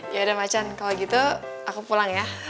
yaudah macan kalau gitu aku pulang ya